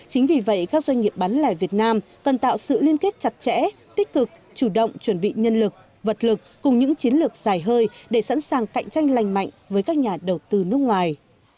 chính vì vậy các doanh nghiệp bán lẻ việt nam cần tạo sự liên kết chặt chẽ tích cực chủ động chuẩn bị nhân lực vật lực cùng những chiến lược dài hơi để sẵn sàng cạnh tranh lành mạnh với các nhà đầu tư nước ngoài